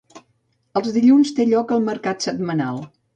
Els dilluns té lloc el mercat setmanal.